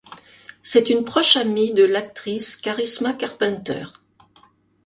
C'est une proche amie de l'actrice Charisma Carpenter.